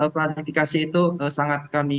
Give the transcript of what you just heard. klarifikasi itu sangat kami